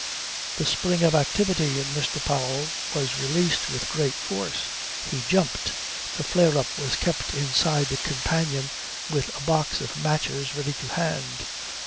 The spring of activity in Mr. Powell was released with great force. He jumped. The flare up was kept inside the companion with a box of matches ready to hand.